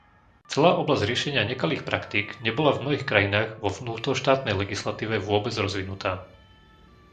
Celá oblasť riešenia nekalých praktík nebola v mnohých krajinách vo vnútroštátnej legislatíve vôbec rozvinutá